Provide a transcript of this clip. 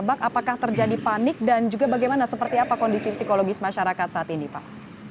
apakah terjadi panik dan juga bagaimana seperti apa kondisi psikologis masyarakat saat ini pak